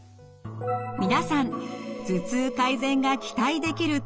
皆さん頭痛改善が期待できるツボ押し